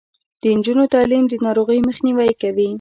د نجونو تعلیم د ناروغیو مخنیوی کوي.